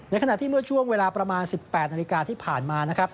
ขณะที่เมื่อช่วงเวลาประมาณ๑๘นาฬิกาที่ผ่านมานะครับ